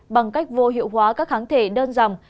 bằng cách vô hiệu hóa các kháng thể đơn giản